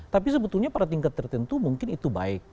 tapi sebetulnya pada tingkat tertentu mungkin itu baik